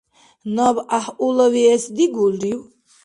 Наб гӀяхӀъулавиэс дигулрив?